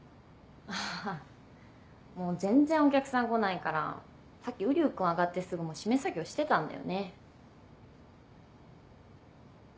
あぁもう全然お客さん来ないからさっき瓜生君上がってすぐもう閉め作業してたんだよね。